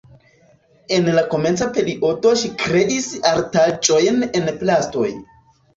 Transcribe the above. En la komenca periodo ŝi kreis artaĵojn el plastoj.